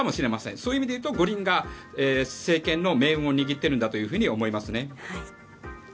そういう意味では五輪が政権の命運を握ってるんだと思います。